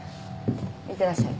いってらっしゃい。